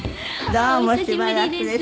どうもしばらくでした。